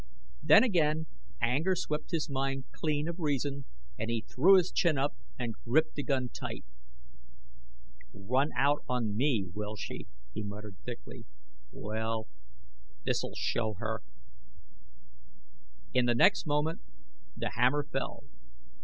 Then again anger swept his mind clean of reason, and he threw his chin up and gripped the gun tight. "Run out on me, will she!" he muttered thickly. "Well this'll show her!" In the next moment the hammer fell